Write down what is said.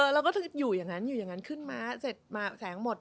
แล้วก็อยู่อย่างนั้นขึ้นมาเสร็จมาแสงหมด